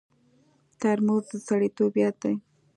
ترموز د سړیتوب یاد دی.